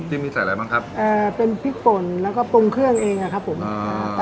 ที่มีใส่อะไรบ้างครับเอ่อเป็นพริกป่นแล้วก็ปรุงเครื่องเองอ่ะครับผมอ่า